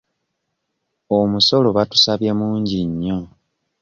Omusolo batusabye mungi nnyo.